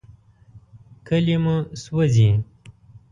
کلي مو سوځي.